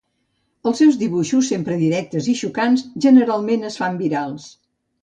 Els seus dibuixos, sempre directes i xocants, generalment es fan virals.